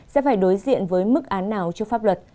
sẽ phải đối diện với mức án nào trước pháp luật